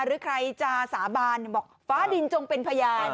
หรือใครจะสาบานบอกฟ้าดินจงเป็นพยาน